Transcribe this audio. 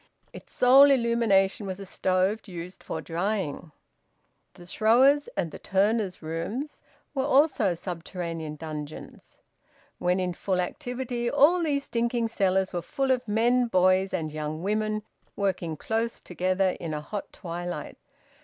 Its sole illumination was a stove used for drying. The `throwers'' and the `turners'' rooms were also subterranean dungeons. When in full activity all these stinking cellars were full of men, boys, and young women, working close together in a hot twilight.